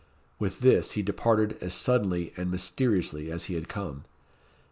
With this, he departed as suddenly and mysteriously as he had come.